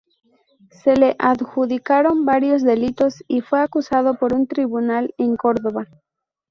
Se le adjudicaron varios delitos y fue acusado por un tribunal en Córdoba.